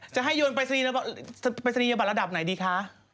จะให้โยนไปสรีบัตรระดับไหนดีคะ